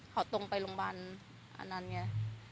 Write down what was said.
เขาตรงไปลงบ้านอันนั้นไง